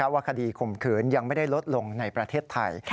ว่าคดีข่มขืนยังไม่ได้ลดลงในประเทศไทย